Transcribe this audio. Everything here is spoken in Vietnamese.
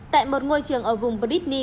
tại một ngôi trường ở vùng brittany